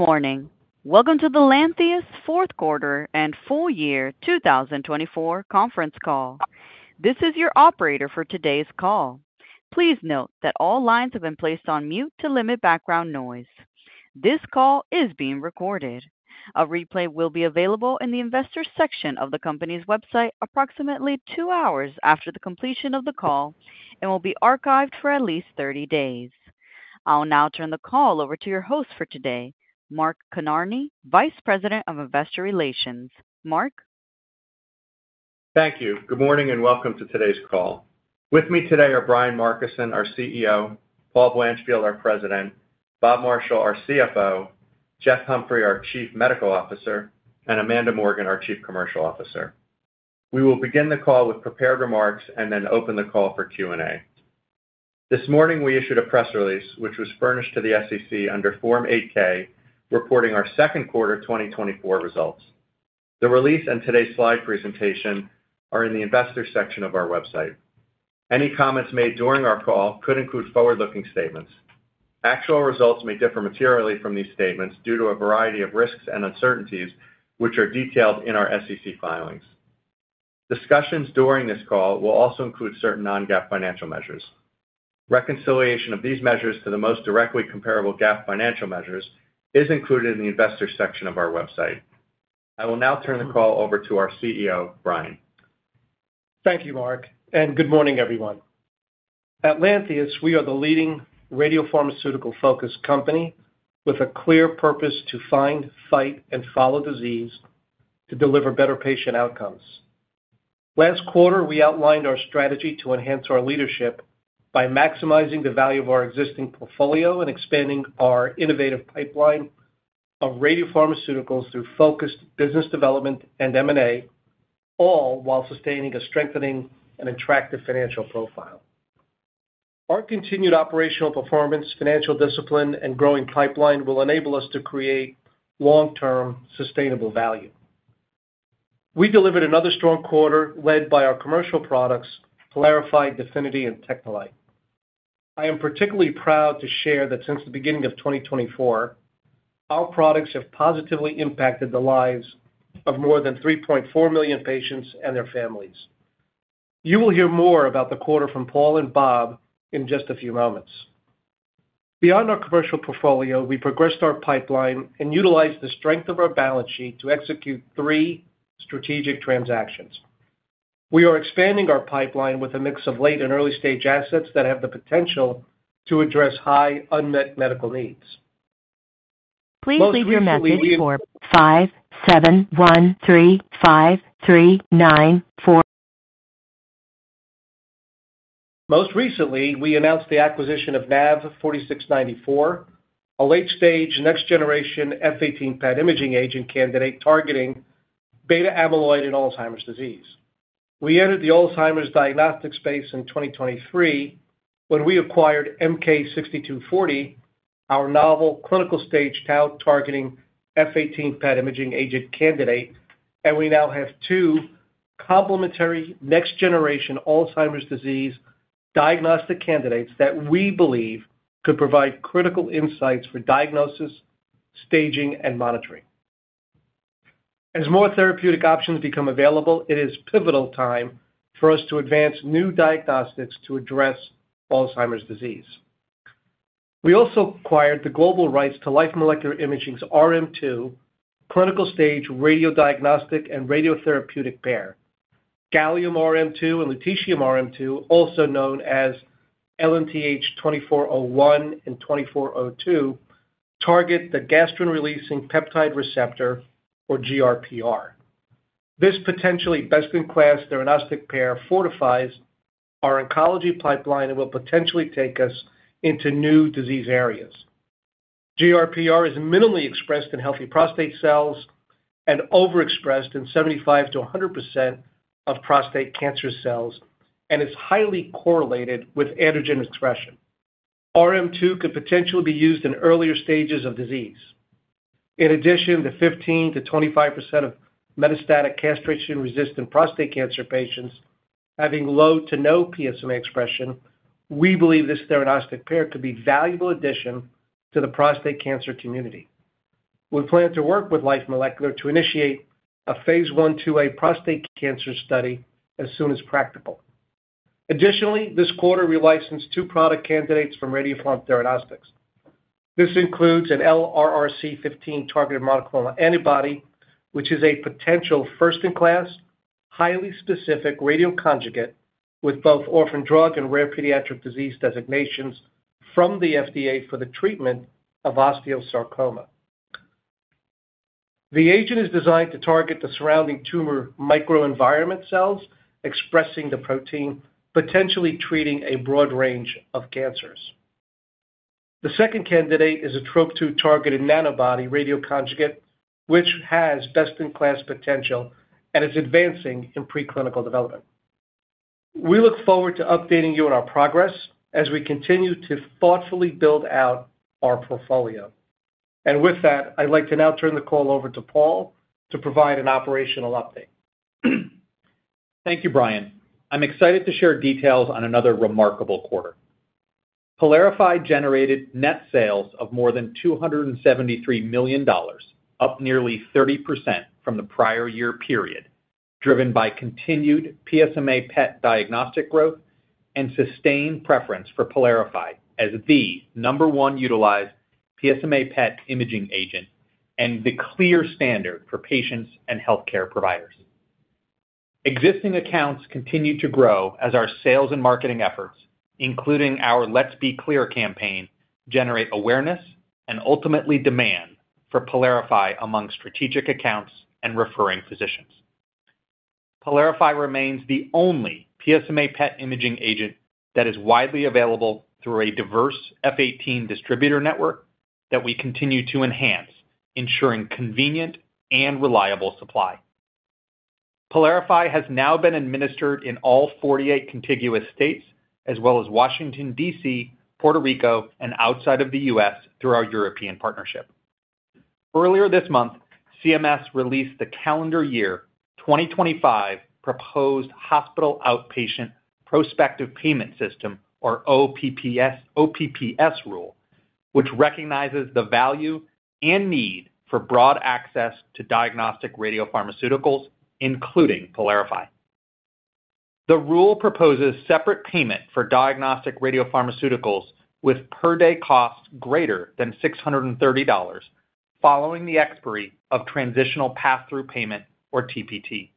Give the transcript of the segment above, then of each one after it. Good morning. Welcome to the Lantheus Fourth Quarter and Full-Year 2024 conference call. This is your operator for today's call. Please note that all lines have been placed on mute to limit background noise. This call is being recorded. A replay will be available in the investor section of the company's website approximately two hours after the completion of the call and will be archived for at least 30 days. I'll now turn the call over to your host for today, Mark Kinarney, Vice President of Investor Relations. Mark? Thank you. Good morning and welcome to today's call. With me today are Brian Markison, our CEO, Paul Blanchfield, our President, Bob Marshall, our CFO, Jeff Humphrey, our Chief Medical Officer, and Amanda Morgan, our Chief Commercial Officer. We will begin the call with prepared remarks and then open the call for Q&A. This morning, we issued a press release which was furnished to the SEC under Form 8-K reporting our second quarter 2024 results. The release and today's slide presentation are in the investor section of our website. Any comments made during our call could include forward-looking statements. Actual results may differ materially from these statements due to a variety of risks and uncertainties which are detailed in our SEC filings. Discussions during this call will also include certain non-GAAP financial measures. Reconciliation of these measures to the most directly comparable GAAP financial measures is included in the investor section of our website. I will now turn the call over to our CEO, Brian. Thank you, Mark. Good morning, everyone. At Lantheus, we are the leading radiopharmaceutical-focused company with a clear purpose to find, fight, and follow disease to deliver better patient outcomes. Last quarter, we outlined our strategy to enhance our leadership by maximizing the value of our existing portfolio and expanding our innovative pipeline of radiopharmaceuticals through focused business development and M&A, all while sustaining a strengthening and attractive financial profile. Our continued operational performance, financial discipline, and growing pipeline will enable us to create long-term sustainable value. We delivered another strong quarter led by our commercial products, PYLARIFY, DEFINITY, and TechneLite. I am particularly proud to share that since the beginning of 2024, our products have positively impacted the lives of more than 3.4 million patients and their families. You will hear more about the quarter from Paul and Bob in just a few moments. Beyond our commercial portfolio, we progressed our pipeline and utilized the strength of our balance sheet to execute three strategic transactions. We are expanding our pipeline with a mix of late and early-stage assets that have the potential to address high unmet medical needs. Please leave your message for 57135394. Most recently, we announced the acquisition of NAV-4694, a late-stage next-generation F18 PET imaging agent candidate targeting beta-amyloid and Alzheimer's disease. We entered the Alzheimer's diagnostic space in 2023 when we acquired MK-6240, our novel clinical-stage tau targeting F18 PET imaging agent candidate, and we now have two complementary next-generation Alzheimer's disease diagnostic candidates that we believe could provide critical insights for diagnosis, staging, and monitoring. As more therapeutic options become available, it is pivotal time for us to advance new diagnostics to address Alzheimer's disease. We also acquired the global rights to Life Molecular Imaging's RM2 clinical-stage radiodiagnostic and radiotherapeutic pair. Gallium RM2 and Lutetium RM2, also known as LNTH-2401 and LNTH-2402, target the gastrin-releasing peptide receptor, or GRPR. This potentially best-in-class diagnostic pair fortifies our oncology pipeline and will potentially take us into new disease areas. GRPR is minimally expressed in healthy prostate cells and overexpressed in 75%-100% of prostate cancer cells and is highly correlated with androgen expression. RM2 could potentially be used in earlier stages of disease. In addition, the 15%-25% of metastatic castration-resistant prostate cancer patients having low to no PSMA expression, we believe this diagnostic pair could be a valuable addition to the prostate cancer community. We plan to work with Life Molecular Imaging to initiate a phase I-IIA prostate cancer study as soon as practical. Additionally, this quarter, we licensed two product candidates from Radiopharm Theranostics. This includes an LRRC15 targeted monoclonal antibody, which is a potential first-in-class, highly specific radioconjugate with both orphan drug and rare pediatric disease designations from the FDA for the treatment of osteosarcoma. The agent is designed to target the surrounding tumor microenvironment cells expressing the protein, potentially treating a broad range of cancers. The second candidate is a TROP2-targeted nanobody radioconjugate, which has best-in-class potential and is advancing in preclinical development. We look forward to updating you on our progress as we continue to thoughtfully build out our portfolio. With that, I'd like to now turn the call over to Paul to provide an operational update. Thank you, Brian. I'm excited to share details on another remarkable quarter. PYLARIFY generated net sales of more than $273 million, up nearly 30% from the prior year period, driven by continued PSMA PET diagnostic growth and sustained preference for PYLARIFY as the number one utilized PSMA PET imaging agent and the clear standard for patients and healthcare providers. Existing accounts continue to grow as our sales and marketing efforts, including our Let's Be Clear campaign, generate awareness and ultimately demand for PYLARIFY among strategic accounts and referring physicians. PYLARIFY remains the only PSMA PET imaging agent that is widely available through a diverse F18 distributor network that we continue to enhance, ensuring convenient and reliable supply. PYLARIFY has now been administered in all 48 contiguous states, as well as Washington, D.C., Puerto Rico, and outside of the U.S. through our European partnership. Earlier this month, CMS released the calendar year 2025 proposed Hospital Outpatient Prospective Payment System, or OPPS rule, which recognizes the value and need for broad access to diagnostic radiopharmaceuticals, including PYLARIFY. The rule proposes separate payment for diagnostic radiopharmaceuticals with per-day costs greater than $630 following the expiry of transitional pass-through payment, or TPT.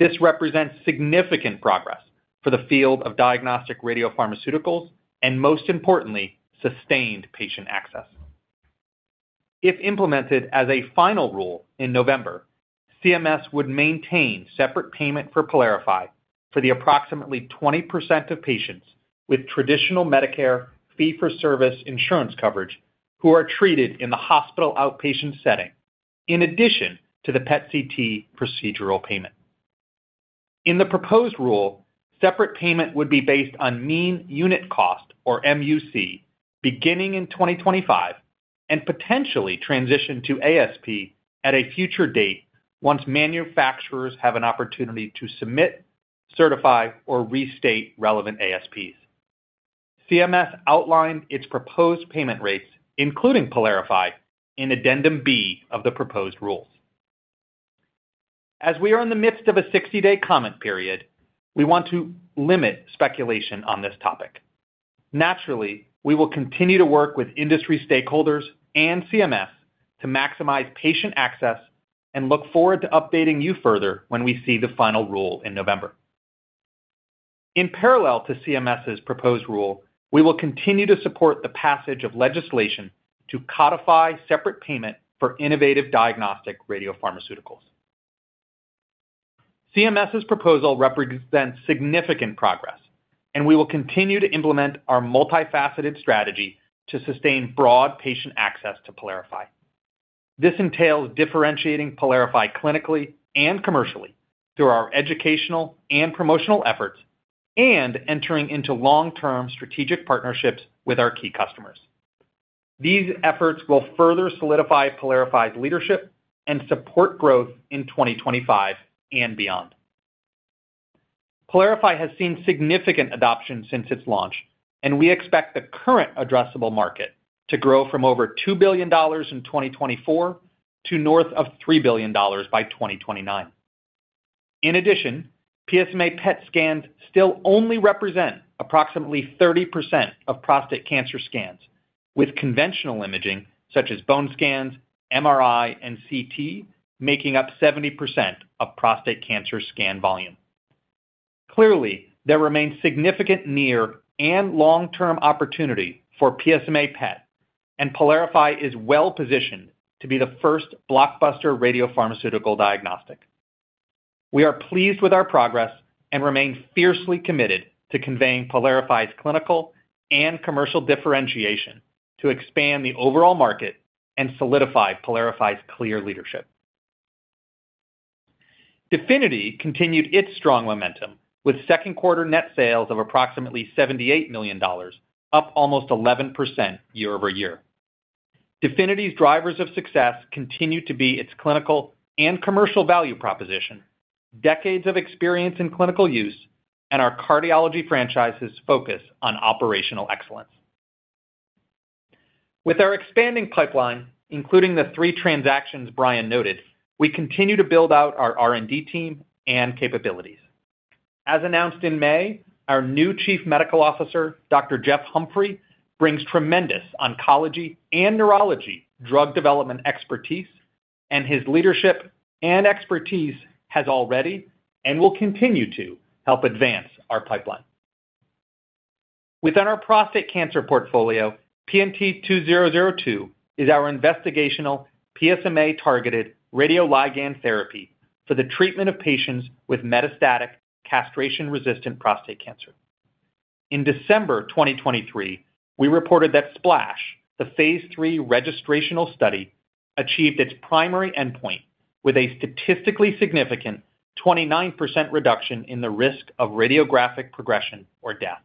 This represents significant progress for the field of diagnostic radiopharmaceuticals and, most importantly, sustained patient access. If implemented as a final rule in November, CMS would maintain separate payment for PYLARIFY for the approximately 20% of patients with traditional Medicare fee-for-service insurance coverage who are treated in the hospital outpatient setting, in addition to the PET/CT procedural payment. In the proposed rule, separate payment would be based on mean unit cost, or MUC, beginning in 2025 and potentially transition to ASP at a future date once manufacturers have an opportunity to submit, certify, or restate relevant ASPs. CMS outlined its proposed payment rates, including PYLARIFY, in Addendum B of the proposed rules. As we are in the midst of a 60-day comment period, we want to limit speculation on this topic. Naturally, we will continue to work with industry stakeholders and CMS to maximize patient access and look forward to updating you further when we see the final rule in November. In parallel to CMS's proposed rule, we will continue to support the passage of legislation to codify separate payment for innovative diagnostic radiopharmaceuticals. CMS's proposal represents significant progress, and we will continue to implement our multifaceted strategy to sustain broad patient access to PYLARIFY. This entails differentiating PYLARIFY clinically and commercially through our educational and promotional efforts and entering into long-term strategic partnerships with our key customers. These efforts will further solidify PYLARIFY's leadership and support growth in 2025 and beyond. PYLARIFY has seen significant adoption since its launch, and we expect the current addressable market to grow from over $2 billion in 2024 to north of $3 billion by 2029. In addition, PSMA PET scans still only represent approximately 30% of prostate cancer scans, with conventional imaging such as bone scans, MRI, and CT making up 70% of prostate cancer scan volume. Clearly, there remains significant near and long-term opportunity for PSMA PET, and PYLARIFY is well-positioned to be the first blockbuster radiopharmaceutical diagnostic. We are pleased with our progress and remain fiercely committed to conveying PYLARIFY's clinical and commercial differentiation to expand the overall market and solidify PYLARIFY's clear leadership. DEFINITY continued its strong momentum with second quarter net sales of approximately $78 million, up almost 11% year-over-year. DEFINITY's drivers of success continue to be its clinical and commercial value proposition, decades of experience in clinical use, and our cardiology franchise's focus on operational excellence. With our expanding pipeline, including the three transactions Brian noted, we continue to build out our R&D team and capabilities. As announced in May, our new Chief Medical Officer, Dr. Jeff Humphrey, brings tremendous oncology and neurology drug development expertise, and his leadership and expertise has already and will continue to help advance our pipeline. Within our prostate cancer portfolio, PNT2002 is our investigational PSMA-targeted radioligand therapy for the treatment of patients with metastatic castration-resistant prostate cancer. In December 2023, we reported that SPLASH, the phase III registrational study, achieved its primary endpoint with a statistically significant 29% reduction in the risk of radiographic progression or death.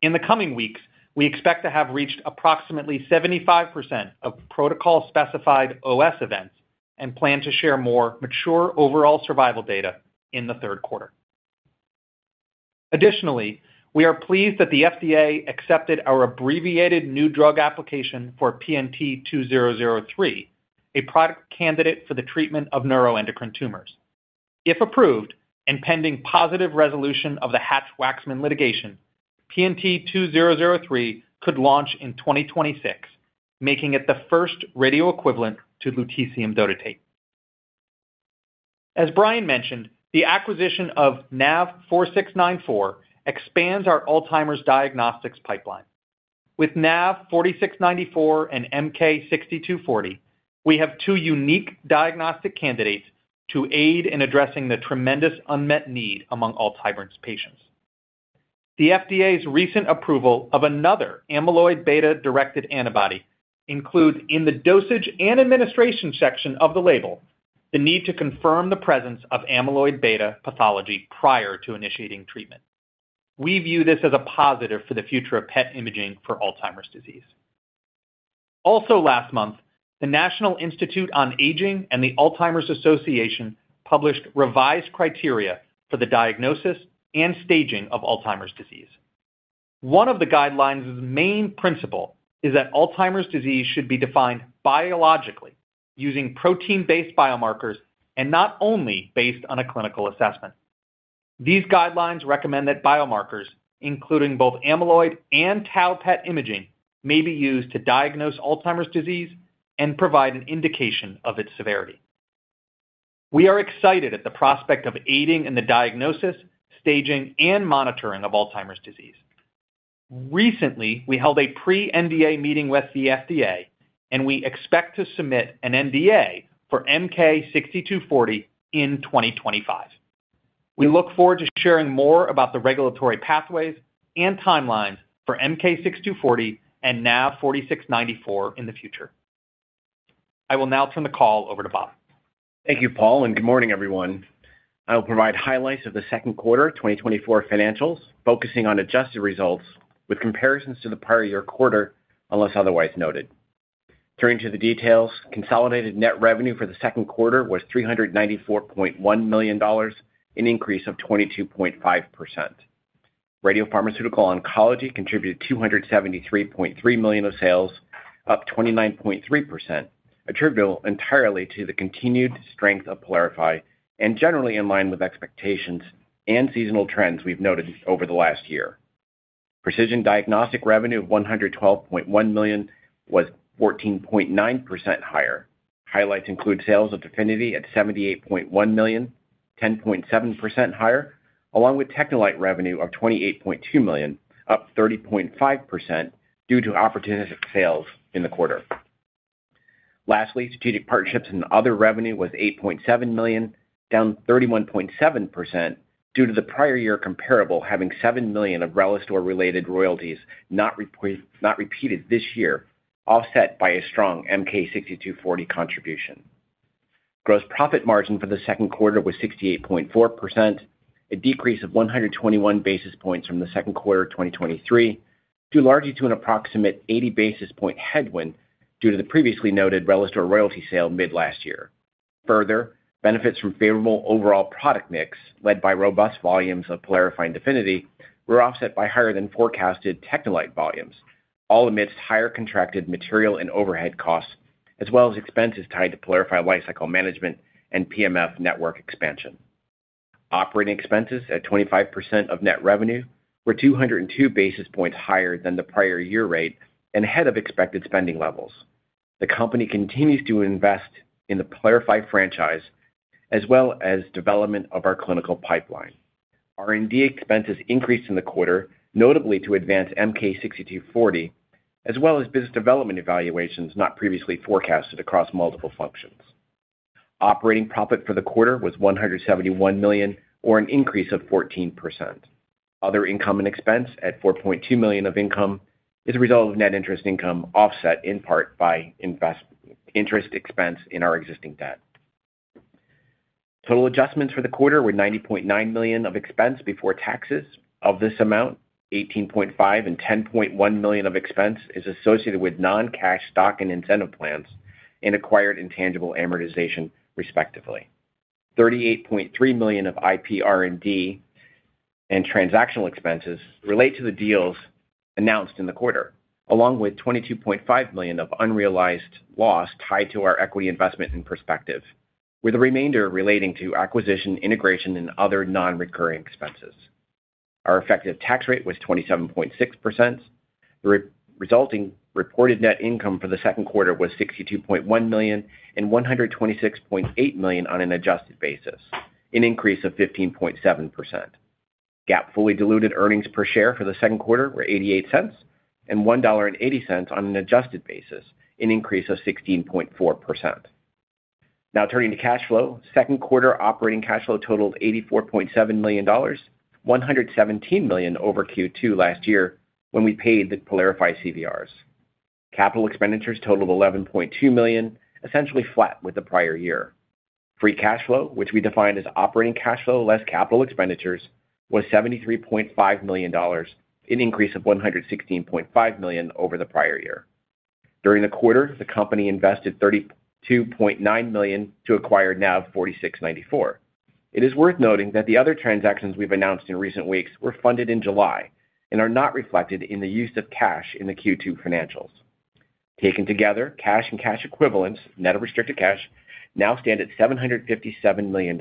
In the coming weeks, we expect to have reached approximately 75% of protocol-specified OS events and plan to share more mature overall survival data in the third quarter. Additionally, we are pleased that the FDA accepted our abbreviated new drug application for PNT2003, a product candidate for the treatment of neuroendocrine tumors. If approved and pending positive resolution of the Hatch-Waxman litigation, PNT2003 could launch in 2026, making it the first radio equivalent to lutetium dotatate. As Brian mentioned, the acquisition of NAV-4694 expands our Alzheimer's diagnostics pipeline. With NAV-4694 and MK-6240, we have two unique diagnostic candidates to aid in addressing the tremendous unmet need among Alzheimer's patients. The FDA's recent approval of another beta-amyloid-directed antibody includes, in the dosage and administration section of the label, the need to confirm the presence of beta-amyloid pathology prior to initiating treatment. We view this as a positive for the future of PET imaging for Alzheimer's disease. Also, last month, the National Institute on Aging and the Alzheimer's Association published revised criteria for the diagnosis and staging of Alzheimer's disease. One of the guidelines' main principles is that Alzheimer's disease should be defined biologically using protein-based biomarkers and not only based on a clinical assessment. These guidelines recommend that biomarkers, including both beta-amyloid and tau PET imaging, may be used to diagnose Alzheimer's disease and provide an indication of its severity. We are excited at the prospect of aiding in the diagnosis, staging, and monitoring of Alzheimer's disease. Recently, we held a pre-NDA meeting with the FDA, and we expect to submit an NDA for MK-6240 in 2025. We look forward to sharing more about the regulatory pathways and timelines for MK-6240 and NAV-4694 in the future. I will now turn the call over to Bob. Thank you, Paul, and good morning, everyone. I will provide highlights of the second quarter 2024 financials, focusing on adjusted results with comparisons to the prior year quarter, unless otherwise noted. Turning to the details, consolidated net revenue for the second quarter was $394.1 million, an increase of 22.5%. Radiopharmaceutical oncology contributed $273.3 million of sales, up 29.3%, attributable entirely to the continued strength of PYLARIFY and generally in line with expectations and seasonal trends we've noted over the last year. Precision diagnostic revenue of $112.1 million was 14.9% higher. Highlights include sales of DEFINITY at $78.1 million, 10.7% higher, along with TechneLite revenue of $28.2 million, up 30.5% due to opportunistic sales in the quarter. Lastly, strategic partnerships and other revenue was $8.7 million, down 31.7% due to the prior year comparable having $7 million of RELISTOR-related royalties not repeated this year, offset by a strong MK-6240 contribution. Gross profit margin for the second quarter was 68.4%, a decrease of 121 basis points from the second quarter of 2023, due largely to an approximate 80 basis point headwind due to the previously noted RELISTOR royalty sale mid-last year. Further, benefits from favorable overall product mix, led by robust volumes of PYLARIFY and DEFINITY, were offset by higher-than-forecasted TechneLite volumes, all amidst higher contracted material and overhead costs, as well as expenses tied to PYLARIFY lifecycle management and PMF network expansion. Operating expenses at 25% of net revenue were 202 basis points higher than the prior year rate and ahead of expected spending levels. The company continues to invest in the PYLARIFY franchise as well as development of our clinical pipeline. R&D expenses increased in the quarter, notably to advance MK-6240, as well as business development evaluations not previously forecasted across multiple functions. Operating profit for the quarter was $171 million, or an increase of 14%. Other income and expense at $4.2 million of income is a result of net interest income offset in part by interest expense in our existing debt. Total adjustments for the quarter were $90.9 million of expense before taxes. Of this amount, $18.5 million and $10.1 million of expense is associated with non-cash stock and incentive plans and acquired intangible amortization, respectively. $38.3 million of IP R&D and transactional expenses relate to the deals announced in the quarter, along with $22.5 million of unrealized loss tied to our equity investment in Perspective, with the remainder relating to acquisition, integration, and other non-recurring expenses. Our effective tax rate was 27.6%. The resulting reported net income for the second quarter was $62.1 million and $126.8 million on an adjusted basis, an increase of 15.7%. GAAP fully diluted earnings per share for the second quarter were $0.88 and $1.80 on an adjusted basis, an increase of 16.4%. Now, turning to cash flow, second quarter operating cash flow totaled $84.7 million, $117 million over Q2 last year when we paid the PYLARIFY CVRs. Capital expenditures totaled $11.2 million, essentially flat with the prior year. Free cash flow, which we defined as operating cash flow less capital expenditures, was $73.5 million, an increase of $116.5 million over the prior year. During the quarter, the company invested $32.9 million to acquire NAV-4694. It is worth noting that the other transactions we've announced in recent weeks were funded in July and are not reflected in the use of cash in the Q2 financials. Taken together, cash and cash equivalents, net of restricted cash, now stand at $757 million.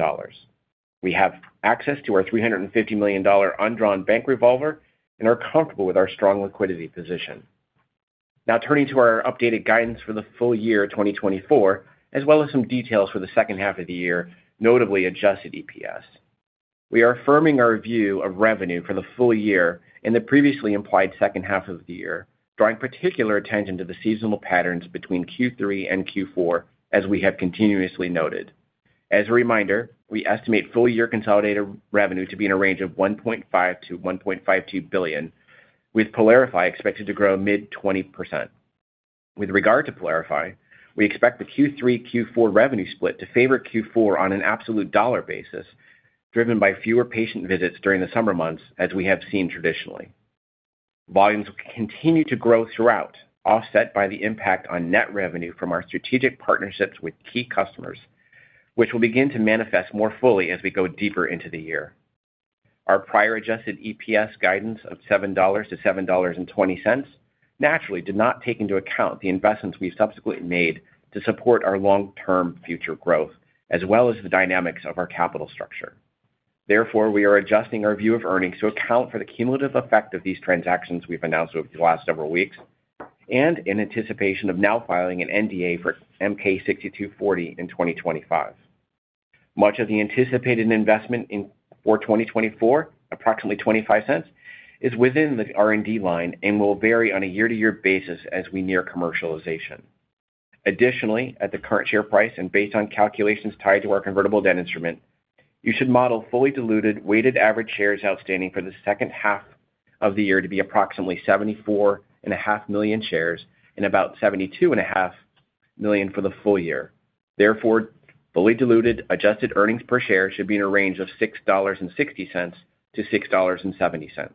We have access to our $350 million undrawn bank revolver and are comfortable with our strong liquidity position. Now, turning to our updated guidance for the full-year 2024, as well as some details for the second half of the year, notably adjusted EPS. We are affirming our view of revenue for the full-year and the previously implied second half of the year, drawing particular attention to the seasonal patterns between Q3 and Q4, as we have continuously noted. As a reminder, we estimate full-year consolidated revenue to be in a range of $1.5-1.52 billion, with PYLARIFY expected to grow mid-20%. With regard to PYLARIFY, we expect the Q3/Q4 revenue split to favor Q4 on an absolute dollar basis, driven by fewer patient visits during the summer months, as we have seen traditionally. Volumes will continue to grow throughout, offset by the impact on net revenue from our strategic partnerships with key customers, which will begin to manifest more fully as we go deeper into the year. Our prior adjusted EPS guidance of $7-7.20 naturally did not take into account the investments we've subsequently made to support our long-term future growth, as well as the dynamics of our capital structure. Therefore, we are adjusting our view of earnings to account for the cumulative effect of these transactions we've announced over the last several weeks and in anticipation of now filing an NDA for MK-6240 in 2025. Much of the anticipated investment for 2024, approximately $0.25, is within the R&D line and will vary on a year-to-year basis as we near commercialization. Additionally, at the current share price and based on calculations tied to our convertible debt instrument, you should model fully diluted weighted average shares outstanding for the second half of the year to be approximately 74.5 million shares and about 72.5 million for the full-year. Therefore, fully diluted adjusted earnings per share should be in a range of $6.60-6.70.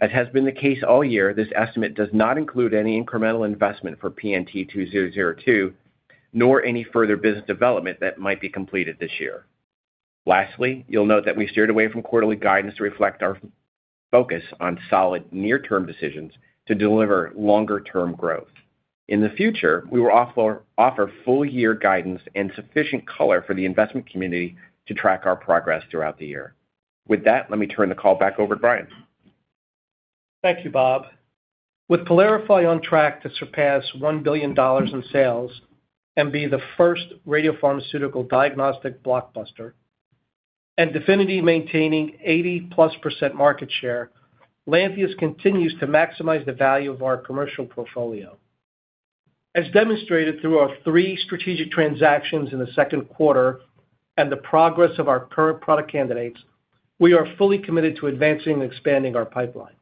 As has been the case all year, this estimate does not include any incremental investment for PNT2002, nor any further business development that might be completed this year. Lastly, you'll note that we steered away from quarterly guidance to reflect our focus on solid near-term decisions to deliver longer-term growth. In the future, we will offer full-year guidance and sufficient color for the investment community to track our progress throughout the year. With that, let me turn the call back over to Brian. Thank you, Bob. With PYLARIFY on track to surpass $1 billion in sales and be the first radiopharmaceutical diagnostic blockbuster, and DEFINITY maintaining 80%+ market share, Lantheus continues to maximize the value of our commercial portfolio. As demonstrated through our three strategic transactions in the second quarter and the progress of our current product candidates, we are fully committed to advancing and expanding our pipeline.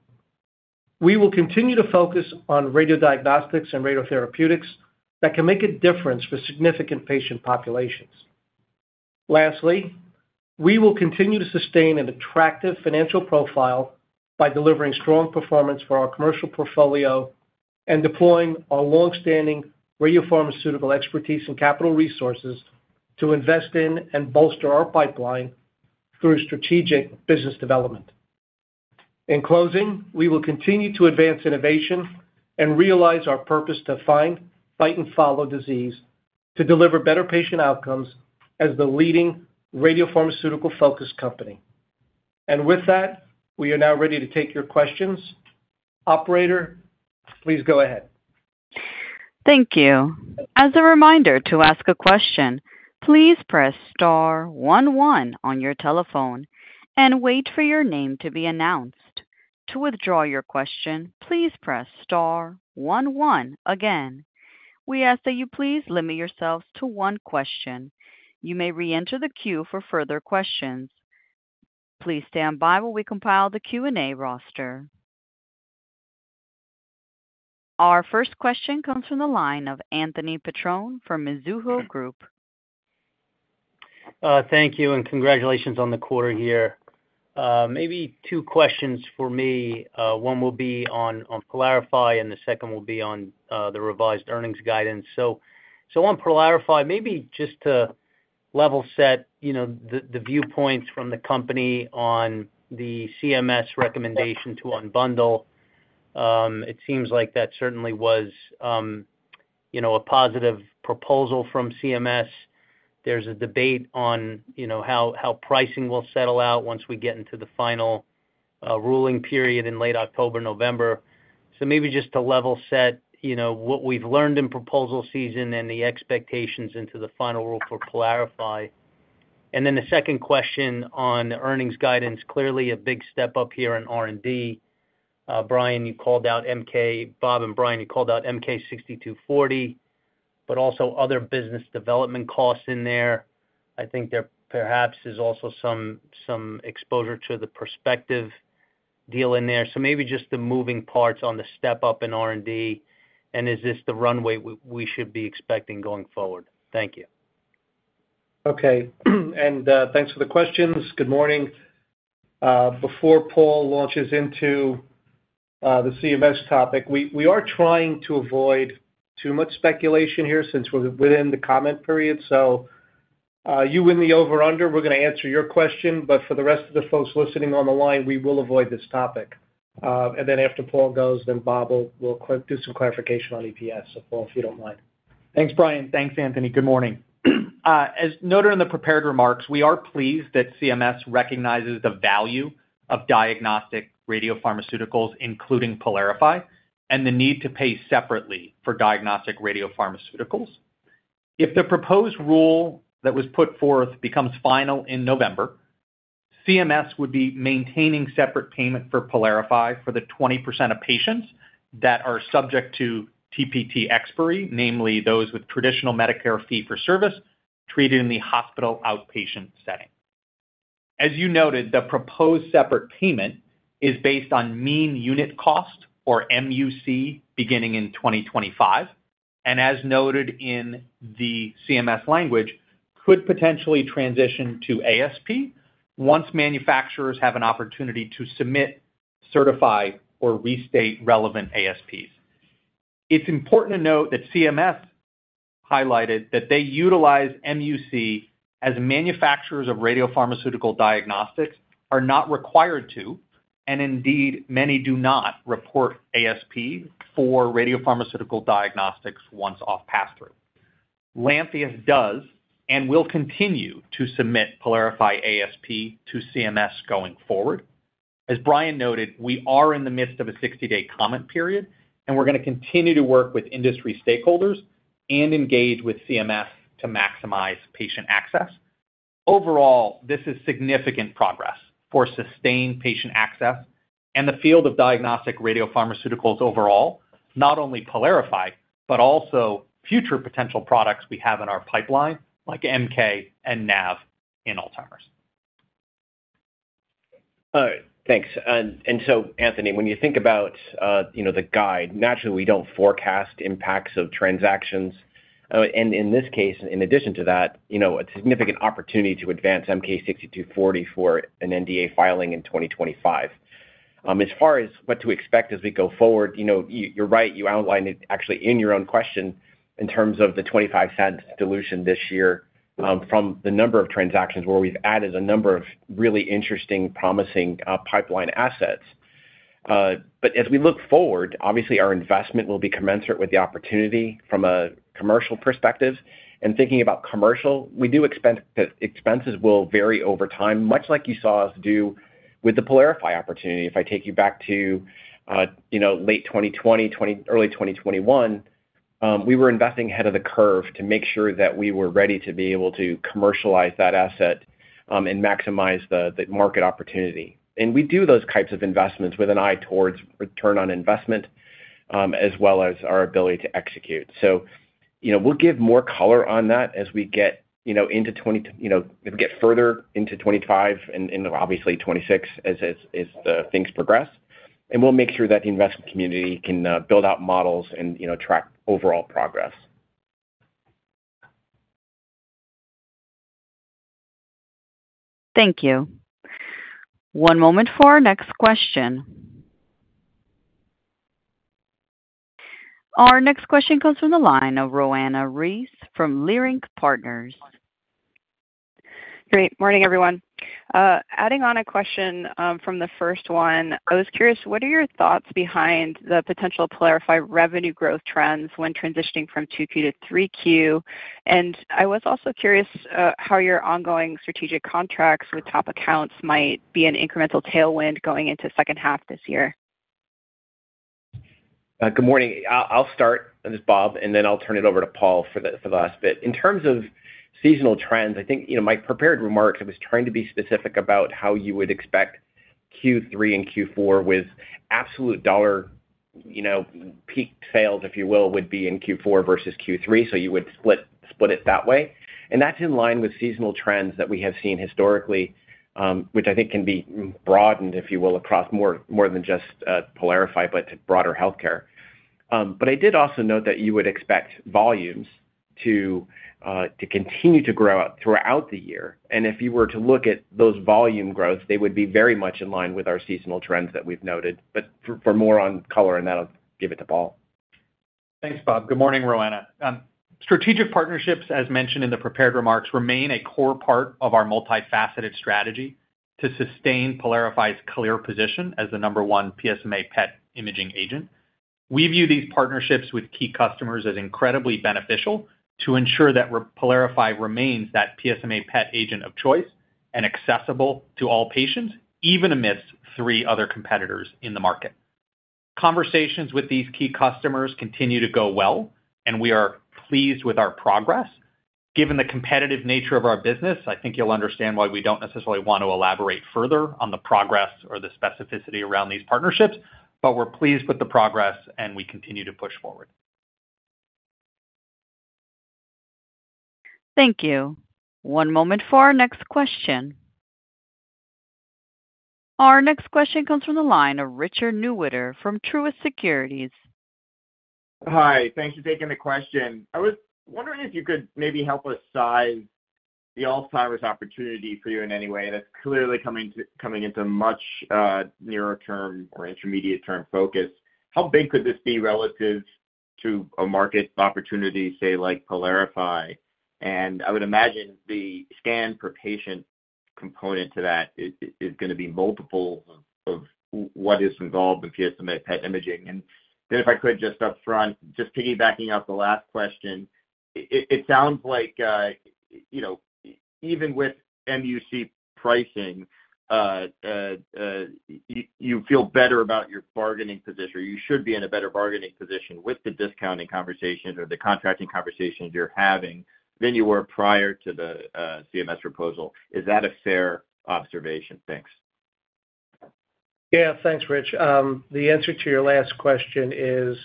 We will continue to focus on radiodiagnostics and radiotherapeutics that can make a difference for significant patient populations. Lastly, we will continue to sustain an attractive financial profile by delivering strong performance for our commercial portfolio and deploying our long-standing radiopharmaceutical expertise and capital resources to invest in and bolster our pipeline through strategic business development. In closing, we will continue to advance innovation and realize our purpose to find, fight, and follow disease to deliver better patient outcomes as the leading radiopharmaceutical-focused company. With that, we are now ready to take your questions. Operator, please go ahead. Thank you. As a reminder to ask a question, please press star 11 on your telephone and wait for your name to be announced. To withdraw your question, please press star 11 again. We ask that you please limit yourselves to one question. You may re-enter the queue for further questions. Please stand by while we compile the Q&A roster. Our first question comes from the line of Anthony Petrone from Mizuho Group. Thank you, and congratulations on the quarter year. Maybe two questions for me. One will be on PYLARIFY, and the second will be on the revised earnings guidance. So on PYLARIFY, maybe just to level set the viewpoints from the company on the CMS recommendation to unbundle. It seems like that certainly was a positive proposal from CMS. There's a debate on how pricing will settle out once we get into the final ruling period in late October, November. So maybe just to level set what we've learned in proposal season and the expectations into the final rule for PYLARIFY. And then the second question on earnings guidance, clearly a big step up here in R&D. Brian, you called out MK, Bob and Brian, you called out MK-6240, but also other business development costs in there. I think there perhaps is also some exposure to the Perspective deal in there. Maybe just the moving parts on the step-up in R&D, and is this the runway we should be expecting going forward? Thank you. Okay. Thanks for the questions. Good morning. Before Paul launches into the CMS topic, we are trying to avoid too much speculation here since we're within the comment period. You win the over/under. We're going to answer your question, but for the rest of the folks listening on the line, we will avoid this topic. Then after Paul goes, Bob will do some clarification on EPS. Paul, if you don't mind. Thanks, Brian. Thanks, Anthony. Good morning. As noted in the prepared remarks, we are pleased that CMS recognizes the value of diagnostic radiopharmaceuticals, including PYLARIFY, and the need to pay separately for diagnostic radiopharmaceuticals. If the proposed rule that was put forth becomes final in November, CMS would be maintaining separate payment for PYLARIFY for the 20% of patients that are subject to TPT expiry, namely those with traditional Medicare fee-for-service treated in the hospital outpatient setting. As you noted, the proposed separate payment is based on mean unit cost, or MUC, beginning in 2025, and as noted in the CMS language, could potentially transition to ASP once manufacturers have an opportunity to submit, certify, or restate relevant ASPs. It's important to note that CMS highlighted that they utilize MUC as manufacturers of radiopharmaceutical diagnostics are not required to, and indeed many do not report ASP for radiopharmaceutical diagnostics once off pass-through. Lantheus does and will continue to submit PYLARIFY ASP to CMS going forward. As Brian noted, we are in the midst of a 60-day comment period, and we're going to continue to work with industry stakeholders and engage with CMS to maximize patient access. Overall, this is significant progress for sustained patient access and the field of diagnostic radiopharmaceuticals overall, not only PYLARIFY, but also future potential products we have in our pipeline, like MK and NAV in Alzheimer's. All right. Thanks. And so, Anthony, when you think about the guide, naturally, we don't forecast impacts of transactions. And in this case, in addition to that, a significant opportunity to advance MK-6240 for an NDA filing in 2025. As far as what to expect as we go forward, you're right. You outlined it actually in your own question in terms of the $0.25 dilution this year from the number of transactions where we've added a number of really interesting, promising pipeline assets. But as we look forward, obviously, our investment will be commensurate with the opportunity from a commercial perspective. And thinking about commercial, we do expect that expenses will vary over time, much like you saw us do with the PYLARIFY opportunity. If I take you back to late 2020, early 2021, we were investing ahead of the curve to make sure that we were ready to be able to commercialize that asset and maximize the market opportunity. And we do those types of investments with an eye towards return on investment as well as our ability to execute. So we'll give more color on that as we get into 2024 if we get further into 2025 and obviously 2026 as things progress. And we'll make sure that the investment community can build out models and track overall progress. Thank you. One moment for our next question. Our next question comes from the line of Roanna Ruiz from Leerink Partners. Good morning, everyone. Adding on a question from the first one, I was curious, what are your thoughts behind the potential PYLARIFY revenue growth trends when transitioning from 2Q to 3Q? And I was also curious how your ongoing strategic contracts with top accounts might be an incremental tailwind going into second half this year? Good morning. I'll start, and it's Bob, and then I'll turn it over to Paul for the last bit. In terms of seasonal trends, I think, in my prepared remarks, I was trying to be specific about how you would expect Q3 and Q4 with absolute dollar peak sales, if you will, would be in Q4 versus Q3. So you would split it that way. And that's in line with seasonal trends that we have seen historically, which I think can be broadened, if you will, across more than just PYLARIFY, but to broader healthcare. But I did also note that you would expect volumes to continue to grow out throughout the year. And if you were to look at those volume growths, they would be very much in line with our seasonal trends that we've noted. But for more color on that, I'll give it to Paul. Thanks, Bob. Good morning, Roanna. Strategic partnerships, as mentioned in the prepared remarks, remain a core part of our multifaceted strategy to sustain PYLARIFY's clear position as the number one PSMA PET imaging agent. We view these partnerships with key customers as incredibly beneficial to ensure that PYLARIFY remains that PSMA PET agent of choice and accessible to all patients, even amidst three other competitors in the market. Conversations with these key customers continue to go well, and we are pleased with our progress. Given the competitive nature of our business, I think you'll understand why we don't necessarily want to elaborate further on the progress or the specificity around these partnerships, but we're pleased with the progress, and we continue to push forward. Thank you. One moment for our next question. Our next question comes from the line of Richard Newitter from Truist Securities. Hi. Thanks for taking the question. I was wondering if you could maybe help us size the Alzheimer's opportunity for you in any way. That's clearly coming into much nearer-term or intermediate-term focus. How big could this be relative to a market opportunity, say, like PYLARIFY? And I would imagine the scan-per-patient component to that is going to be multiples of what is involved in PSMA PET imaging. And then if I could, just upfront, just piggybacking off the last question, it sounds like even with MUC pricing, you feel better about your bargaining position. You should be in a better bargaining position with the discounting conversations or the contracting conversations you're having than you were prior to the CMS proposal. Is that a fair observation? Thanks. Yeah. Thanks, Rich. The answer to your last question is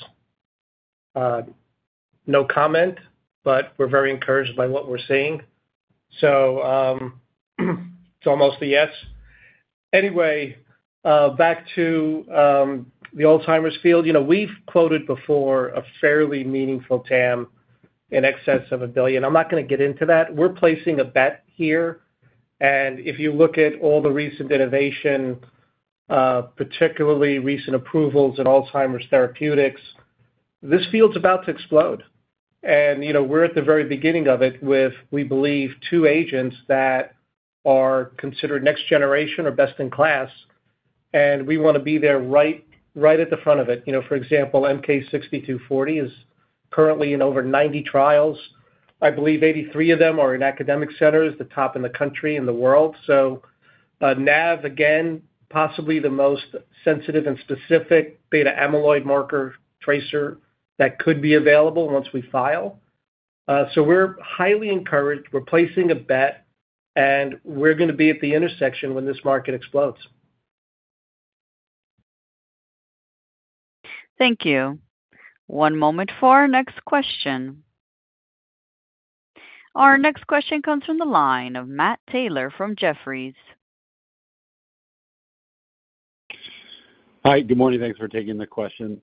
no comment, but we're very encouraged by what we're seeing. So it's almost a yes. Anyway, back to the Alzheimer's field. We've quoted before a fairly meaningful TAM in excess of $1 billion. I'm not going to get into that. We're placing a bet here. And if you look at all the recent innovation, particularly recent approvals in Alzheimer's therapeutics, this field's about to explode. And we're at the very beginning of it with, we believe, two agents that are considered next-generation or best in class, and we want to be there right at the front of it. For example, MK-6240 is currently in over 90 trials. I believe 83 of them are in academic centers, the top in the country and the world. NAV, again, possibly the most sensitive and specific Beta-amyloid marker tracer that could be available once we file. We're highly encouraged. We're placing a bet, and we're going to be at the intersection when this market explodes. Thank you. One moment for our next question. Our next question comes from the line of Matt Taylor from Jefferies. Hi. Good morning. Thanks for taking the question.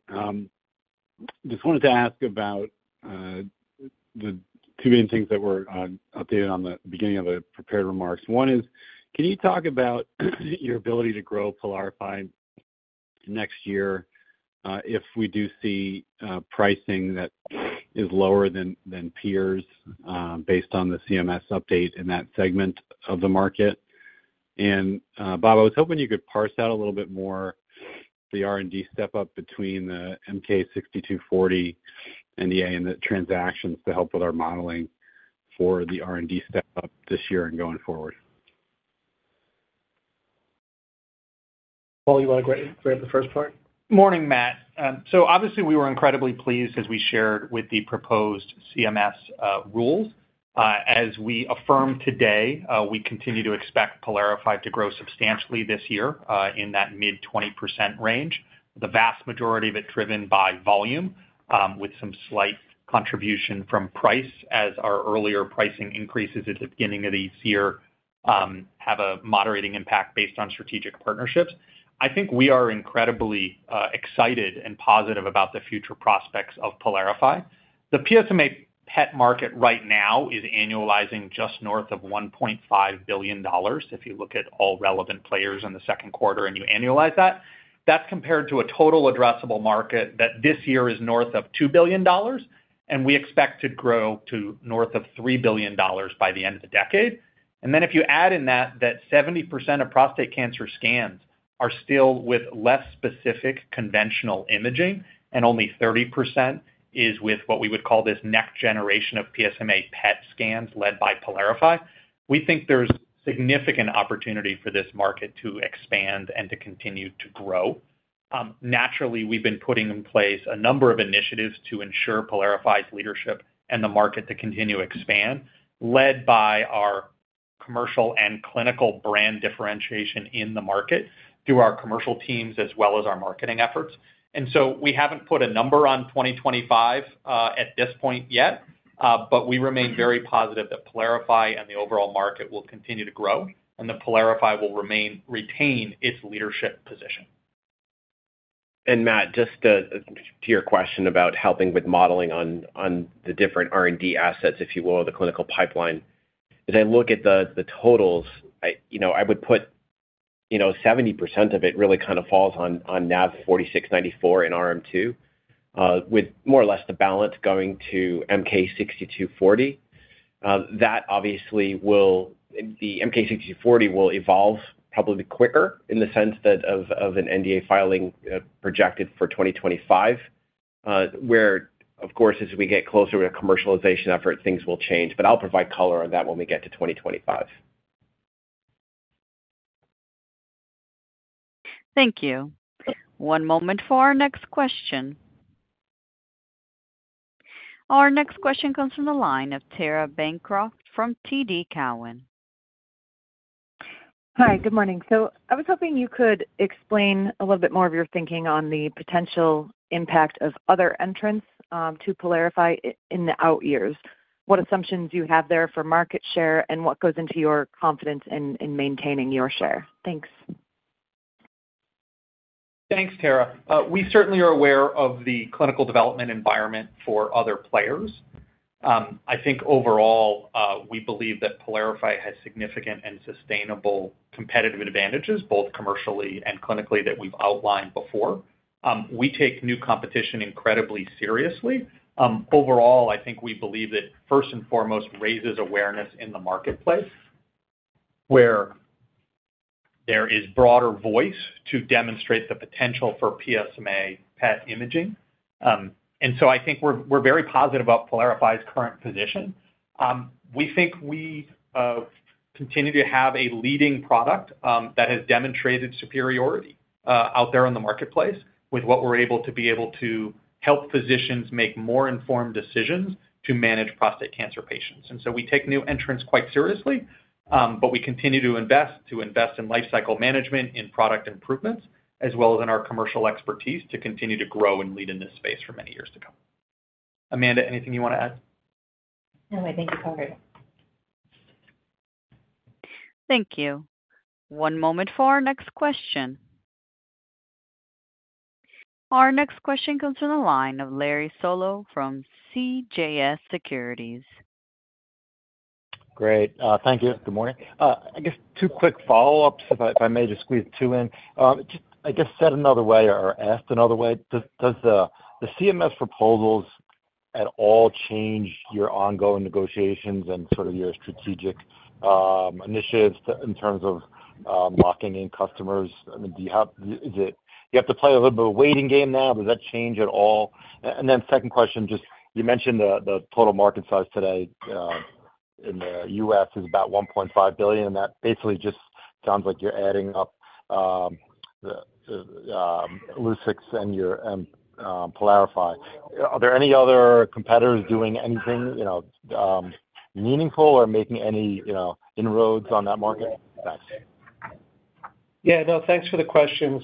Just wanted to ask about the two main things that were updated on the beginning of the prepared remarks. One is, can you talk about your ability to grow PYLARIFY next year if we do see pricing that is lower than peers based on the CMS update in that segment of the market? And Bob, I was hoping you could parse out a little bit more the R&D step-up between the MK-6240 and the transactions to help with our modeling for the R&D step-up this year and going forward. Paul, you want to grab the first part? Morning, Matt. So obviously, we were incredibly pleased as we shared with the proposed CMS rules. As we affirm today, we continue to expect PYLARIFY to grow substantially this year in that mid-20% range, the vast majority of it driven by volume with some slight contribution from price, as our earlier pricing increases at the beginning of this year have a moderating impact based on strategic partnerships. I think we are incredibly excited and positive about the future prospects of PYLARIFY. The PSMA PET market right now is annualizing just north of $1.5 billion if you look at all relevant players in the second quarter and you annualize that. That's compared to a total addressable market that this year is north of $2 billion, and we expect to grow to north of $3 billion by the end of the decade. And then if you add in that 70% of prostate cancer scans are still with less specific conventional imaging, and only 30% is with what we would call this next generation of PSMA PET scans led by PYLARIFY, we think there's significant opportunity for this market to expand and to continue to grow. Naturally, we've been putting in place a number of initiatives to ensure PYLARIFY's leadership and the market to continue to expand, led by our commercial and clinical brand differentiation in the market through our commercial teams as well as our marketing efforts. And so we haven't put a number on 2025 at this point yet, but we remain very positive that PYLARIFY and the overall market will continue to grow, and that PYLARIFY will retain its leadership position. Matt, just to your question about helping with modeling on the different R&D assets, if you will, the clinical pipeline, as I look at the totals, I would put 70% of it really kind of falls on NAV-4694 and RM2, with more or less the balance going to MK-6240. That obviously will the MK-6240 will evolve probably quicker in the sense that of an NDA filing projected for 2025, where, of course, as we get closer to a commercialization effort, things will change. But I'll provide color on that when we get to 2025. Thank you. One moment for our next question. Our next question comes from the line of Tara Bancroft from TD Cowen. Hi. Good morning. So I was hoping you could explain a little bit more of your thinking on the potential impact of other entrants to PYLARIFY in the out years, what assumptions you have there for market share, and what goes into your confidence in maintaining your share. Thanks. Thanks, Tara. We certainly are aware of the clinical development environment for other players. I think overall, we believe that PYLARIFY has significant and sustainable competitive advantages, both commercially and clinically, that we've outlined before. We take new competition incredibly seriously. Overall, I think we believe that first and foremost raises awareness in the marketplace where there is broader voice to demonstrate the potential for PSMA PET imaging. And so I think we're very positive about PYLARIFY's current position. We think we continue to have a leading product that has demonstrated superiority out there in the marketplace with what we're able to be able to help physicians make more informed decisions to manage prostate cancer patients. And so we take new entrants quite seriously, but we continue to invest in lifecycle management, in product improvements, as well as in our commercial expertise to continue to grow and lead in this space for many years to come. Amanda, anything you want to add? No, I think you covered it. Thank you. One moment for our next question. Our next question comes from the line of Larry Solow from CJS Securities. Great. Thank you. Good morning. I guess two quick follow-ups, if I may just squeeze two in. I guess said another way or asked another way, does the CMS proposals at all change your ongoing negotiations and sort of your strategic initiatives in terms of locking in customers? I mean, do you have to play a little bit of a waiting game now? Does that change at all? And then second question, just you mentioned the total market size today in the U.S. is about $1.5 billion, and that basically just sounds like you're adding up Illuccix and PYLARIFY. Are there any other competitors doing anything meaningful or making any inroads on that market? Thanks. Yeah. No, thanks for the questions.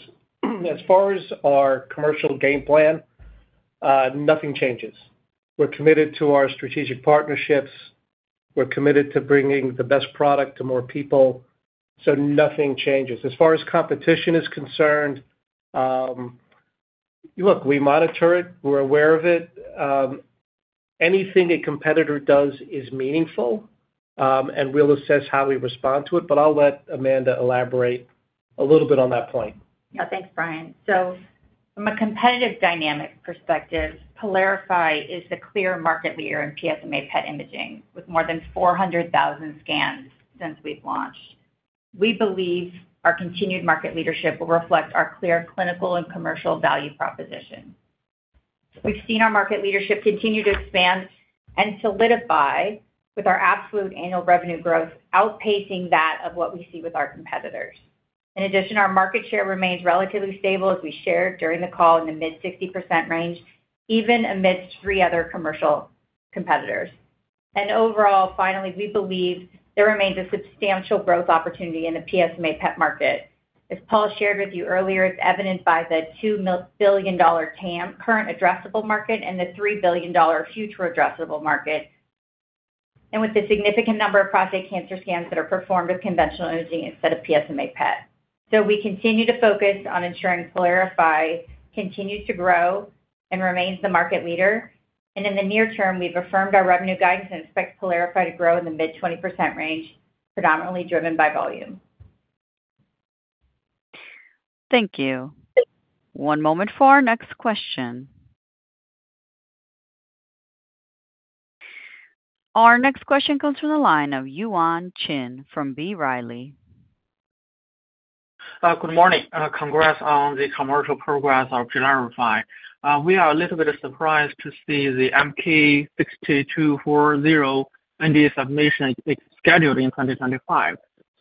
As far as our commercial game plan, nothing changes. We're committed to our strategic partnerships. We're committed to bringing the best product to more people. So nothing changes. As far as competition is concerned, look, we monitor it. We're aware of it. Anything a competitor does is meaningful, and we'll assess how we respond to it. But I'll let Amanda elaborate a little bit on that point. Yeah. Thanks, Brian. So from a competitive dynamic perspective, PYLARIFY is the clear market leader in PSMA PET imaging with more than 400,000 scans since we've launched. We believe our continued market leadership will reflect our clear clinical and commercial value proposition. We've seen our market leadership continue to expand and solidify with our absolute annual revenue growth outpacing that of what we see with our competitors. In addition, our market share remains relatively stable, as we shared during the call, in the mid-60% range, even amidst three other commercial competitors. And overall, finally, we believe there remains a substantial growth opportunity in the PSMA PET market. As Paul shared with you earlier, it's evident by the $2 billion TAM current addressable market and the $3 billion future addressable market, and with the significant number of prostate cancer scans that are performed with conventional imaging instead of PSMA PET. We continue to focus on ensuring PYLARIFY continues to grow and remains the market leader. In the near term, we've affirmed our revenue guidance and expect PYLARIFY to grow in the mid-20% range, predominantly driven by volume. Thank you. One moment for our next question. Our next question comes from the line of Yuan Zhi from B. Riley. Good morning. Congrats on the commercial progress of PYLARIFY. We are a little bit surprised to see the MK-6240 NDA submission scheduled in 2025.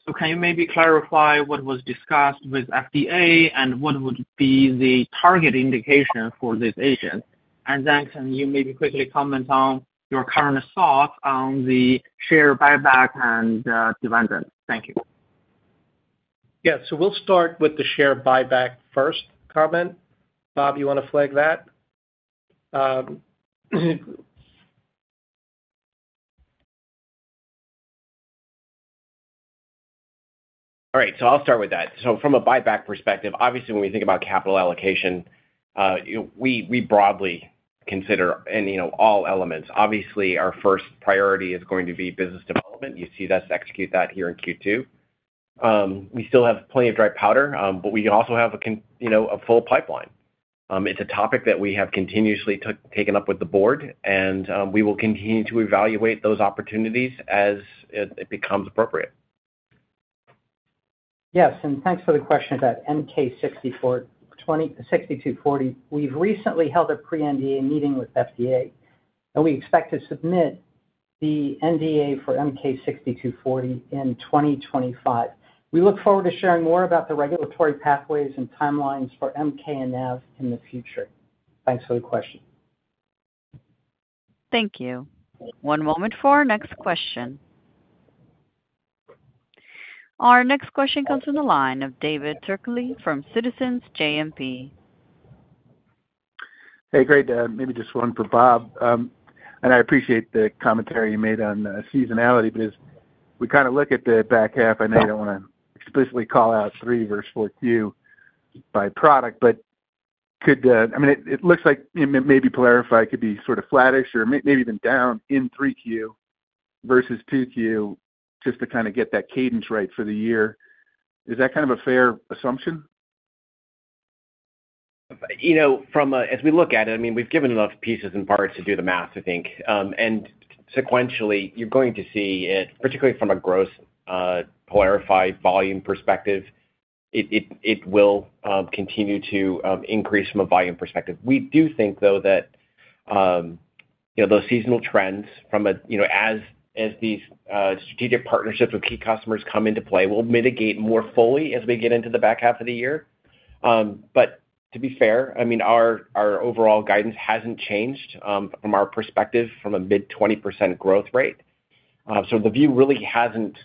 So can you maybe clarify what was discussed with FDA and what would be the target indication for this agent? And then can you maybe quickly comment on your current thoughts on the share buyback and dividend? Thank you. Yeah. So we'll start with the share buyback first comment. Bob, you want to flag that? All right. So I'll start with that. So from a buyback perspective, obviously, when we think about capital allocation, we broadly consider all elements. Obviously, our first priority is going to be business development. You see us execute that here in Q2. We still have plenty of dry powder, but we also have a full pipeline. It's a topic that we have continuously taken up with the board, and we will continue to evaluate those opportunities as it becomes appropriate. Yes. Thanks for the question about MK-6240. We've recently held a pre-NDA meeting with FDA, and we expect to submit the NDA for MK-6240 in 2025. We look forward to sharing more about the regulatory pathways and timelines for MK and NAV in the future. Thanks for the question. Thank you. One moment for our next question. Our next question comes from the line of David Turkaly from Citizens JMP. Hey, great. Maybe just one for Bob. And I appreciate the commentary you made on seasonality, but as we kind of look at the back half, I know you don't want to explicitly call out 3Q versus 4Q by product, but I mean, it looks like maybe PYLARIFY could be sort of flattish or maybe even down in 3Q versus 2Q just to kind of get that cadence right for the year. Is that kind of a fair assumption? As we look at it, I mean, we've given enough pieces and parts to do the math, I think. Sequentially, you're going to see it, particularly from a gross PYLARIFY volume perspective, it will continue to increase from a volume perspective. We do think, though, that those seasonal trends from, as these strategic partnerships with key customers come into play, will mitigate more fully as we get into the back half of the year. But to be fair, I mean, our overall guidance hasn't changed from our perspective from a mid-20% growth rate. So the view really hasn't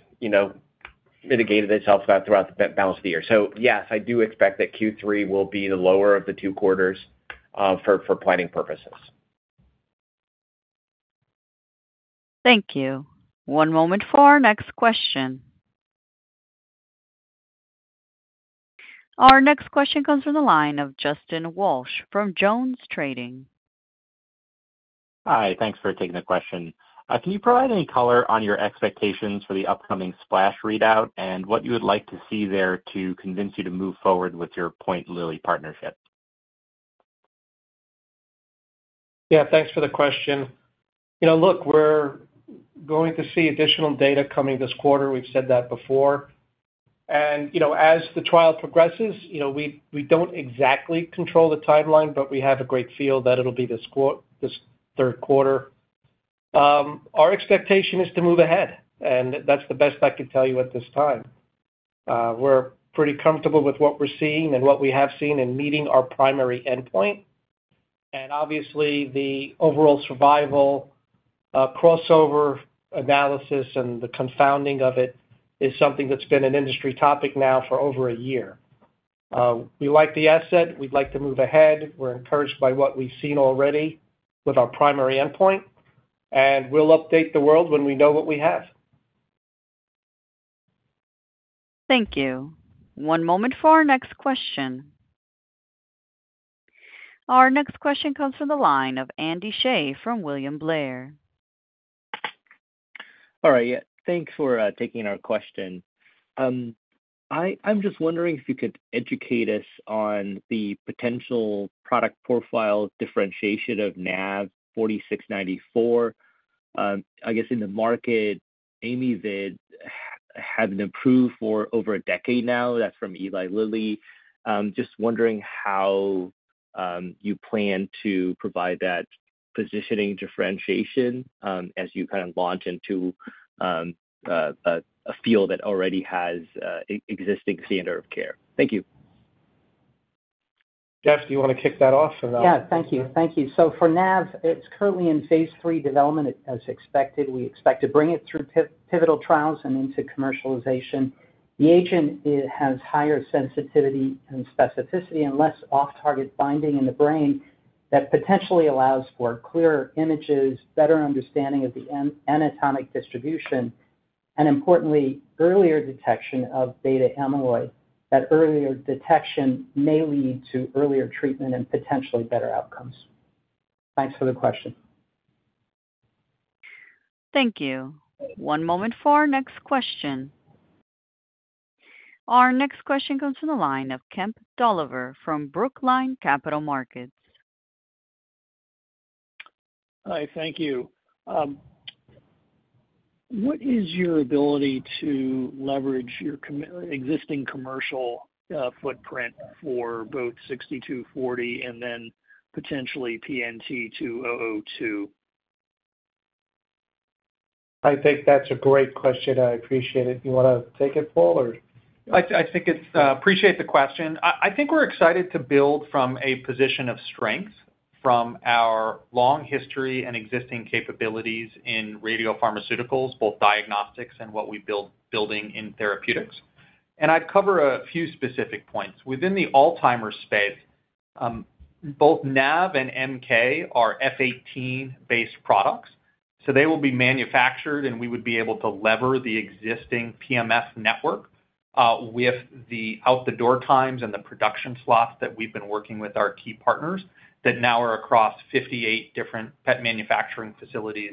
mitigated itself throughout the balance of the year. So yes, I do expect that Q3 will be the lower of the two quarters for planning purposes. Thank you. One moment for our next question. Our next question comes from the line of Justin Walsh from Jones Trading. Hi. Thanks for taking the question. Can you provide any color on your expectations for the upcoming SPLASH readout and what you would like to see there to convince you to move forward with your POINT Lilly partnership? Yeah. Thanks for the question. Look, we're going to see additional data coming this quarter. We've said that before. As the trial progresses, we don't exactly control the timeline, but we have a great feel that it'll be this third quarter. Our expectation is to move ahead, and that's the best I can tell you at this time. We're pretty comfortable with what we're seeing and what we have seen in meeting our primary endpoint. Obviously, the overall survival crossover analysis and the confounding of it is something that's been an industry topic now for over a year. We like the asset. We'd like to move ahead. We're encouraged by what we've seen already with our primary endpoint, and we'll update the world when we know what we have. Thank you. One moment for our next question. Our next question comes from the line of Andy Hsieh from William Blair. All right. Thanks for taking our question. I'm just wondering if you could educate us on the potential product profile differentiation of NAV-4694. I guess in the market, Amyvid has been approved for over a decade now. That's from Eli Lilly. Just wondering how you plan to provide that positioning differentiation as you kind of launch into a field that already has existing standard of care. Thank you. Jeff, do you want to kick that off? Yeah. Thank you. Thank you. So for NAV, it's currently in phase three development as expected. We expect to bring it through pivotal trials and into commercialization. The agent has higher sensitivity and specificity and less off-target binding in the brain that potentially allows for clearer images, better understanding of the anatomic distribution, and importantly, earlier detection of beta-amyloid. That earlier detection may lead to earlier treatment and potentially better outcomes. Thanks for the question. Thank you. One moment for our next question. Our next question comes from the line of Kemp Dolliver from Brookline Capital Markets. Hi. Thank you. What is your ability to leverage your existing commercial footprint for both 6240 and then potentially PNT2002? I think that's a great question. I appreciate it. You want to take it, Paul, or? I appreciate the question. I think we're excited to build from a position of strength from our long history and existing capabilities in radiopharmaceuticals, both diagnostics and what we're building in therapeutics. I'd cover a few specific points. Within the Alzheimer's space, both NAV and MK are F18-based products. So they will be manufactured, and we would be able to lever the existing PMF network with the out-the-door times and the production slots that we've been working with our key partners that now are across 58 different PET manufacturing facilities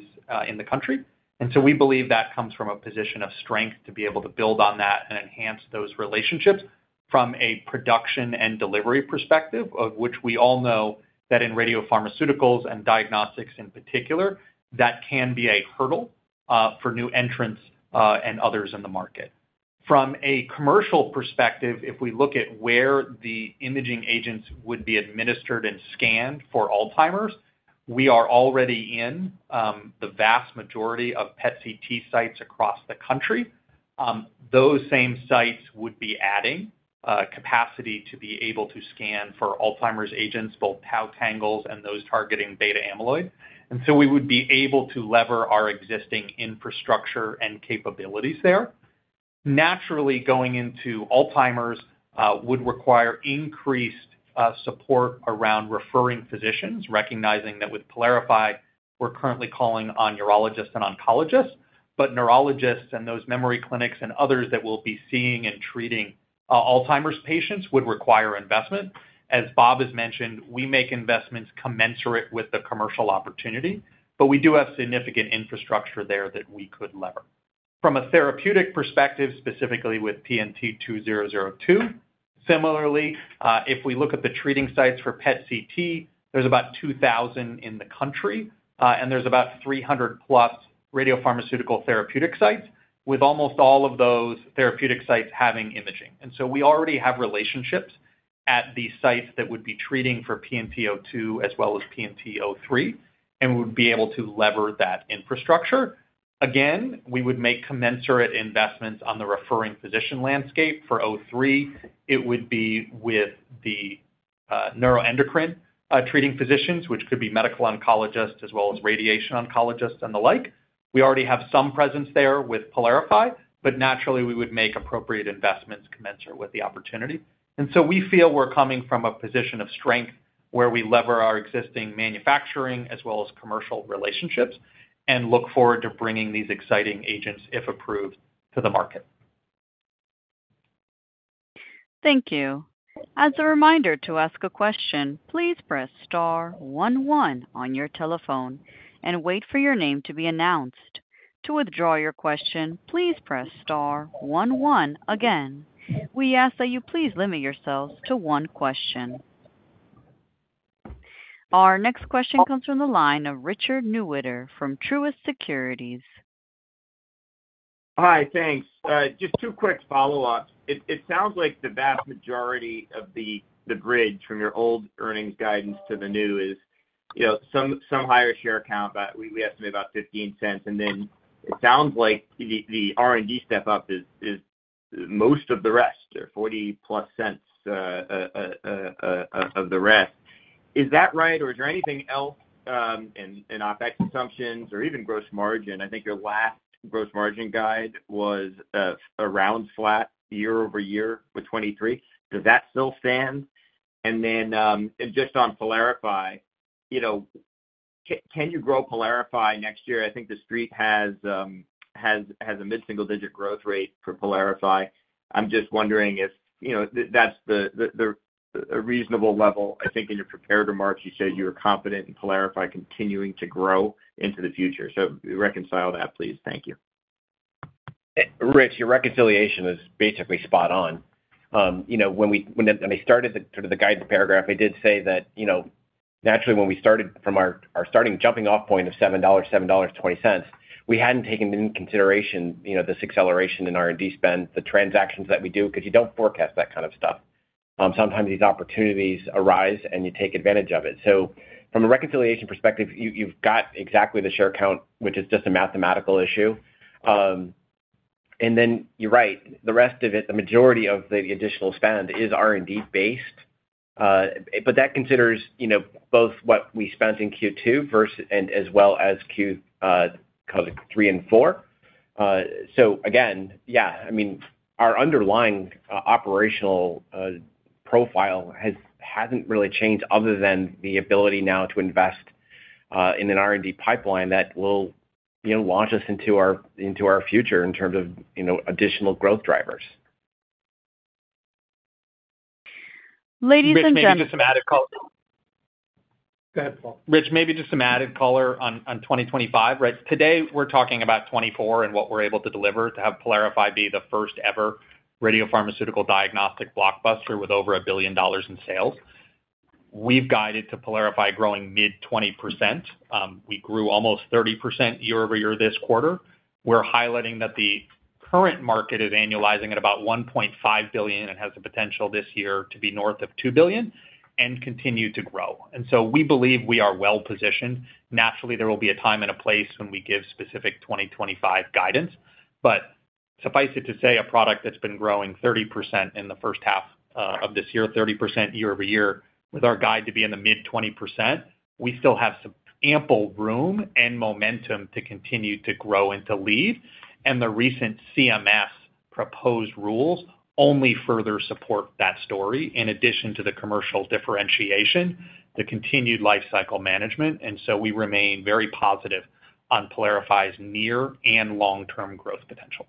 in the country. So we believe that comes from a position of strength to be able to build on that and enhance those relationships from a production and delivery perspective, of which we all know that in radiopharmaceuticals and diagnostics in particular, that can be a hurdle for new entrants and others in the market. From a commercial perspective, if we look at where the imaging agents would be administered and scanned for Alzheimer's, we are already in the vast majority of PET/CT sites across the country. Those same sites would be adding capacity to be able to scan for Alzheimer's agents, both tau tangles and those targeting beta-amyloid. And so we would be able to leverage our existing infrastructure and capabilities there. Naturally, going into Alzheimer's would require increased support around referring physicians, recognizing that with PYLARIFY, we're currently calling on neurologists and oncologists. But neurologists and those memory clinics and others that will be seeing and treating Alzheimer's patients would require investment. As Bob has mentioned, we make investments commensurate with the commercial opportunity, but we do have significant infrastructure there that we could leverage. From a therapeutic perspective, specifically with PNT2002, similarly, if we look at the treating sites for PET/CT, there's about 2,000 in the country, and there's about 300-plus radiopharmaceutical therapeutic sites, with almost all of those therapeutic sites having imaging. And so we already have relationships at the sites that would be treating for PNT2002 as well as PNT2003, and we would be able to leverage that infrastructure. Again, we would make commensurate investments on the referring physician landscape for PNT2003. It would be with the neuroendocrine treating physicians, which could be medical oncologists as well as radiation oncologists and the like. We already have some presence there with PYLARIFY, but naturally, we would make appropriate investments commensurate with the opportunity. We feel we're coming from a position of strength where we leverage our existing manufacturing as well as commercial relationships and look forward to bringing these exciting agents, if approved, to the market. Thank you. As a reminder to ask a question, please press star one one on your telephone and wait for your name to be announced. To withdraw your question, please press star one one again. We ask that you please limit yourselves to one question. Our next question comes from the line of Richard Newitter from Truist Securities. Hi. Thanks. Just two quick follow-ups. It sounds like the vast majority of the bridge from your old earnings guidance to the new is some higher share count, but we estimate about $0.15. And then it sounds like the R&D step-up is most of the rest or $0.40+ of the rest. Is that right, or is there anything else? And OpEx assumptions or even gross margin. I think your last gross margin guide was around flat year-over-year with 2023. Does that still stand? And then just on PYLARIFY, can you grow PYLARIFY next year? I think the street has a mid-single-digit growth rate for PYLARIFY. I'm just wondering if that's a reasonable level. I think in your prepared remarks, you said you were confident in PYLARIFY continuing to grow into the future. So reconcile that, please. Thank you. Rich, your reconciliation is basically spot on. When I started sort of the guidance paragraph, I did say that naturally, when we started from our starting jumping-off point of $7-7.20, we hadn't taken into consideration this acceleration in R&D spend, the transactions that we do, because you don't forecast that kind of stuff. Sometimes these opportunities arise, and you take advantage of it. So from a reconciliation perspective, you've got exactly the share count, which is just a mathematical issue. And then you're right. The rest of it, the majority of the additional spend is R&D-based, but that considers both what we spent in Q2 as well as Q3 and 4. So again, yeah, I mean, our underlying operational profile hasn't really changed other than the ability now to invest in an R&D pipeline that will launch us into our future in terms of additional growth drivers. Ladies and gentlemen. Rich, maybe just some added color. Go ahead, Paul. Rich, maybe just some added color on 2025. Right. Today, we're talking about 2024 and what we're able to deliver to have PYLARIFY be the first-ever radiopharmaceutical diagnostic blockbuster with over $1 billion in sales. We've guided to PYLARIFY growing mid-20%. We grew almost 30% year-over-year this quarter. We're highlighting that the current market is annualizing at about $1.5 billion and has the potential this year to be north of $2 billion and continue to grow. And so we believe we are well-positioned. Naturally, there will be a time and a place when we give specific 2025 guidance. But suffice it to say, a product that's been growing 30% in the first half of this year, 30% year-over-year, with our guide to be in the mid-20%, we still have ample room and momentum to continue to grow and to lead. The recent CMS proposed rules only further support that story in addition to the commercial differentiation, the continued lifecycle management. So we remain very positive on PYLARIFY's near- and long-term growth potential.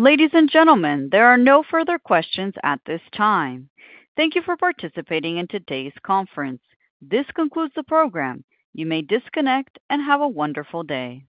Ladies and gentlemen, there are no further questions at this time. Thank you for participating in today's conference. This concludes the program. You may disconnect and have a wonderful day.